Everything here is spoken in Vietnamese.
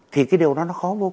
thì cái điều đó nó khó vô cùng